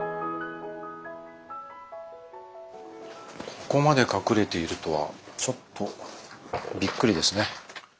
ここまで隠れているとはちょっとびっくりですね。